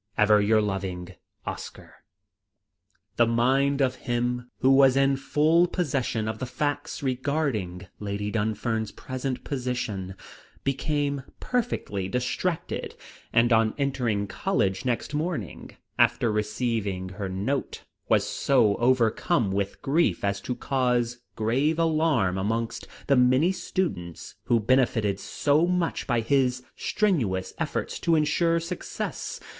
"Ever your loving "OSCAR." The mind of him who was in full possession of the facts regarding Lady Dunfern's present position became perfectly distracted, and on entering College next morning, after receiving her note, was so overcome with grief as to cause grave alarm amongst the many students who benefitted so much by his strenuous efforts to insure success.